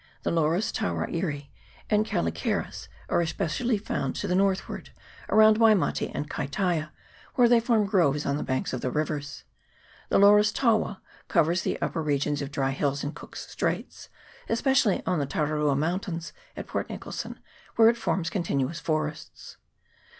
The Laurus tarairi and calicaris are especially found to the northward, around Waimate and Kaitaia, where they form groves on the banks of rivers. The Laurus tawa covers the upper regions of dry hills in Cook's Straits, especially on the Tararua mountains at Port Nicholson, where it forms continuous forests.